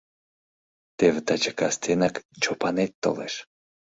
Теве таче кастенак Чопанет толеш.